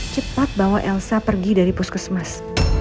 cepat bawa elsa pergi dari puskesmas